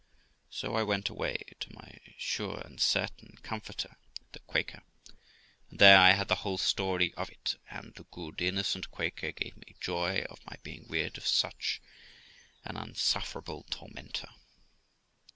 So I went away to my sure and certain comforter, the Quaker, and there I had the whole story of it; and the good, innocent Quaker gave me joy of my being rid of such an unsuffer able tormentor.